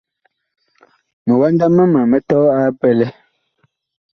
Miwanda mama mi tɔɔ a epɛlɛ.